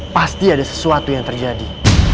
pasti ada sesuatu yang terjadi